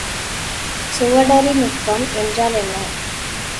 சுவடறி நுட்பம் என்றால் என்ன?